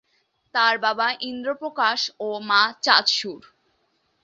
তাঁর বাবা ইন্দ্র প্রকাশ ও মা চাঁদ সুর।